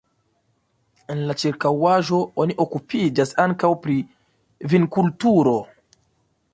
En la ĉirkaŭaĵo oni okupiĝas ankaŭ pri vinkulturo.